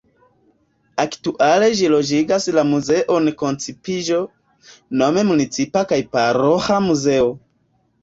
Aktuale ĝi loĝigas la Muzeon Koncipiĝo, nome municipa kaj paroĥa muzeo.